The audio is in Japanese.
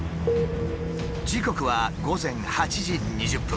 時刻は午前８時２０分。